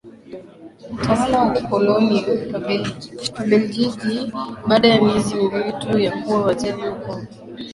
utawala wa kikoloni wa WabelgijiBaada ya miezi miwili tu ya kuwa Waziri Mkuu